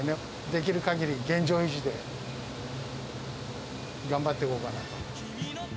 できるかぎり現状維持で、頑張っていこうかなと。